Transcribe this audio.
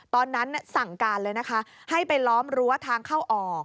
ตอนนั้นสั่งการเลยนะคะให้ไปล้อมรั้วทางเข้าออก